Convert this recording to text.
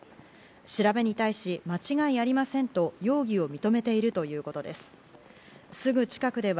調べに対し間違いありませんと容疑を認めているということです。